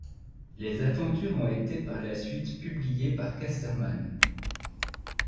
Les aventures ont été par la suite publiées par Casterman.